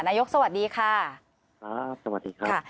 นายกสวัสดีค่ะสวัสดีครับ